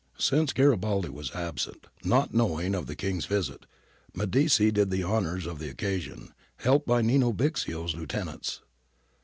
Since Garibaldi was absent, not knowing of the King's visit, Medici did the honours of the occasion, helped by JNino Bixio's lieutenants.